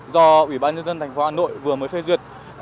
do ủy ban nhân dân thành phố hà nội vừa mới phê duyệt